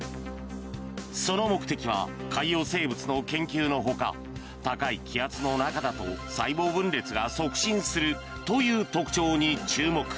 その目的は海洋生物の研究のほか高い気圧の中だと、細胞分裂が促進するという特徴に注目。